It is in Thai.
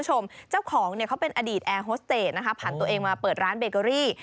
เจ้าของเขาเป็นอดีตแอร์โฮสเตย์ผ่านตัวเองมาเปิดร้านเบเกอรี่